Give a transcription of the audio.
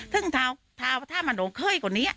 ถ้ามันโอเคร่กว่านี้